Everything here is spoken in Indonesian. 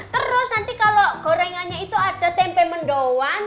terus nanti kalau gorengannya itu ada tempe mendoan